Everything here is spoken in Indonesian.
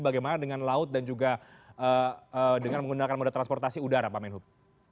bagaimana dengan laut dan juga dengan menggunakan moda transportasi udara pak menhub